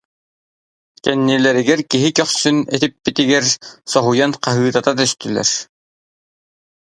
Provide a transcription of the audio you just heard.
Кэннилэригэр киһи көхсүн этиппитигэр соһуйан хаһыытаһа түстүлэр